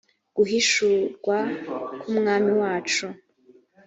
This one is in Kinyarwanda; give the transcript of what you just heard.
guhishurwa k’umwami wacu